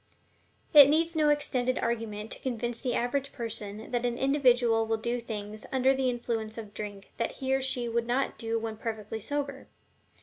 It needs no extended argument to convince the average person that an individual will do things when under the influence of drink that he or she would not do when perfectly sober.